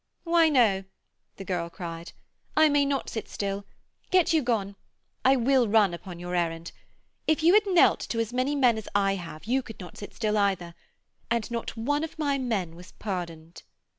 'Why, no!' the girl cried; 'I may not sit still. Get you gone. I will run upon your errand. If you had knelt to as many men as I have you could not sit still either. And not one of my men was pardoned.'